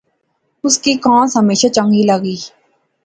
اس کی کانس ہمیشہ چنگی لغی